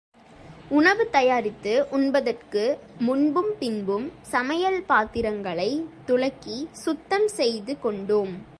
உணவு தயாரித்து உண்பதற்கு முன்பும் பின்பும் சமையல் பாத்திரங்களைத் துலக்கி சுத்தம் செய்து கொண்டோம்.